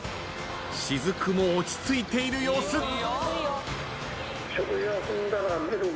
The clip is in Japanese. しずくも落ち着いている様子。